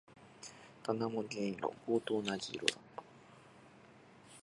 棚も銀色。棒と同じ色だった。